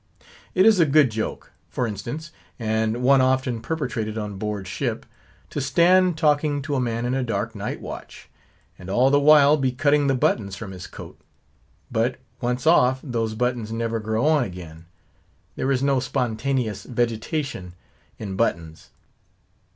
It is a good joke; for instance, and one often perpetrated on board ship, to stand talking to a man in a dark night watch, and all the while be cutting the buttons from his coat. But once off, those buttons never grow on again. There is no spontaneous vegetation in buttons.